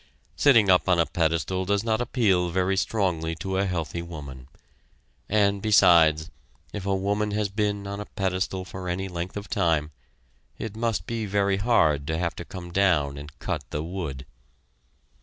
Sitting up on a pedestal does not appeal very strongly to a healthy woman and, besides, if a woman has been on a pedestal for any length of time, it must be very hard to have to come down and cut the wood.